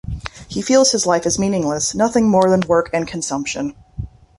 He feels his life is meaningless, nothing more than work and consumption.